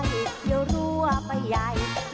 อีกเดี๋ยวรั่วไปใหญ่